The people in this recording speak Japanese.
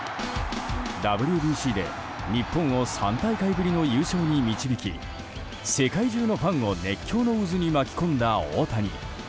ＷＢＣで日本を３大会ぶりの優勝に導き世界中のファンを熱狂の渦に巻き込んだ大谷。